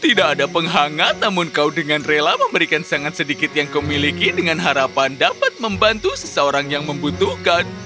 tidak ada penghangat namun kau dengan rela memberikan sangat sedikit yang kau miliki dengan harapan dapat membantu seseorang yang membutuhkan